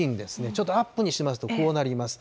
ちょっとアップにしますとこうなります。